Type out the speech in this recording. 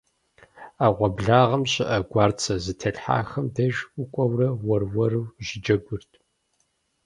Ӏэгъуэблагъэм щыӀэ гуарцэ зэтелъхьахэм деж укӀуэурэ уэр-уэру ущыджэгурт.